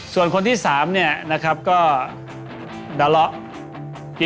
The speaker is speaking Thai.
ส่วนคนที่สามก็ดาระ